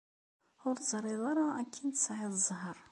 Ur teẓṛiḍ ara akken tesɛid ẓheṛ.